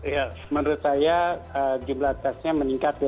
ya menurut saya jumlah tesnya meningkat ya